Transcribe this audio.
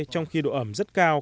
trong khi độ ẩm rất cao